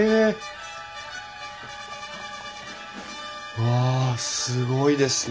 うわすごいですね。